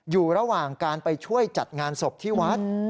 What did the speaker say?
อยู่ระหว่างการไปช่วยจัดงานศพที่วัด